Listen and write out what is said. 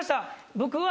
僕は。